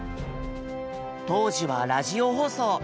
当時はラジオ放送。